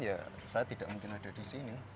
ya saya tidak mungkin ada di sini